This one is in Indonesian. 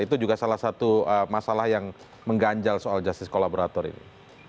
itu juga salah satu masalah yang mengganjal soal justice kolaborator ini